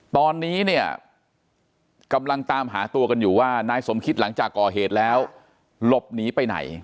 ตอนนี้เนี่ยกำลังตามหาตัวกันอยู่ว่านายสมคิตหลังจากก่อเหตุแล้วหลบหนีไปไหน